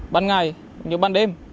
ban ngày như ban đêm